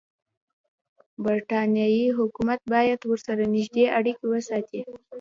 برټانیې حکومت باید ورسره نږدې اړیکې وساتي.